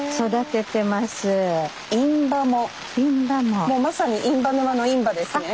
もうまさに印旛沼のインバですね？